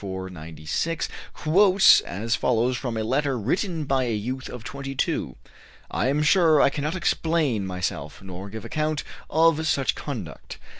496) quotes as follows from a letter written by a youth of 22: "I am sure I cannot explain myself, nor give account of such conduct.